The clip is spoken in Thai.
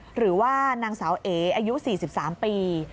หรือว่านางสาวเออายุ๔๓ปี